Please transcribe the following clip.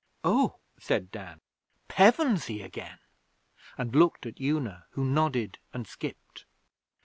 'Oh!' said Dan. 'Pevensey again!' and looked at Una, who nodded and skipped.